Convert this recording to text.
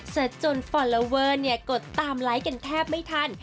เสร็จจนฟอลเลอเวอร์กดตามไลค์กันแทบไม่ทัน